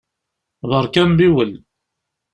Beṛka ambiwel!